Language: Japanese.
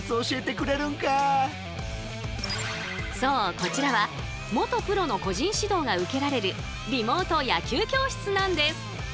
こちらは元プロの個人指導が受けられるリモート野球教室なんです！